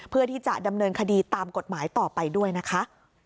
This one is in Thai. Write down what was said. เพื่อที่จะดำเนินคดีตามกฎหมายต่อไปด้วยนะคะ